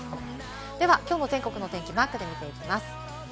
では今日の全国の天気予報、マークで見ていきます。